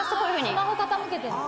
スマホ傾けてんの。